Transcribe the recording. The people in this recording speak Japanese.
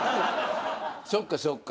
そっかそっか。